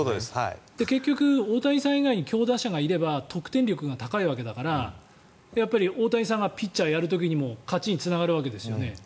結局、大谷さん以外に強打者がいれば得点力が高いわけだから大谷さんがピッチャーをやる時にも勝ちにつながるわけですよね。